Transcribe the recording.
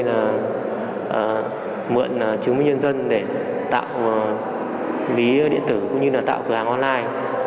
họ đã mượn chứng minh nhân dân để tạo ví điện tử cũng như tạo cửa hàng online